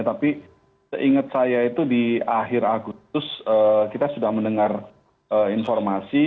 tapi seingat saya itu di akhir agustus kita sudah mendengar informasi